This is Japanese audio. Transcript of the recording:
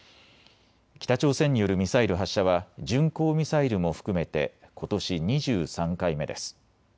北朝鮮によるミサイル発射は、巡航ミサイルも含めて、ことし２３回目です。